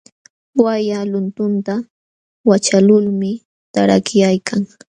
Walla luntunta waćhaqlulmi tarakyaykan.